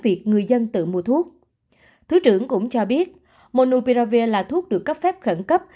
việc người dân tự mua thuốc thứ trưởng cũng cho biết monoupiravir là thuốc được cấp phép khẩn cấp